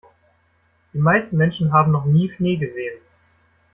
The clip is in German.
Die meisten Menschen haben noch nie Schnee gesehen.